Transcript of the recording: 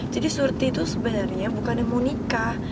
jadi surti itu sebenernya bukan yang mau nikah